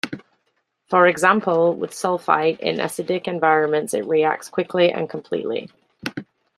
For example, with sulfite in acidic environments it reacts quickly and completely.